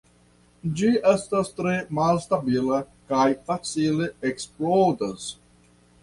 Ĝi estas tre malstabila kaj facile eksplodas.